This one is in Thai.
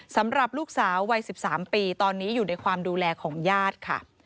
สำหรับลูกสาววัย๑๓ปีตอนนี้อยู่ในความดูแลของญาติค่ะ